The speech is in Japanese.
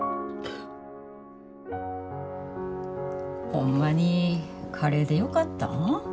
ホンマにカレーでよかったん？